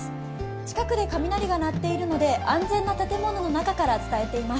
近くで雷が鳴っているので安全な建物の中から伝えています。